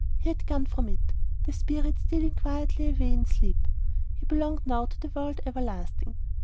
He had gone from it: the spirit stealing quietly away in sleep. He belonged now to the world everlasting.